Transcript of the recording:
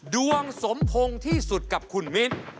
ดวงสมพงษ์ที่สุดกับคุณมิ้น